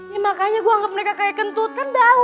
ya makanya gue anggap mereka kaya kentut kan tau